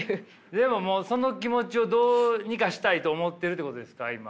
でもその気持ちをどうにかしたいと思ってるってことですか今。